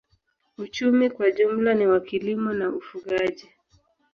Uchumi kwa jumla ni wa kilimo na ufugaji.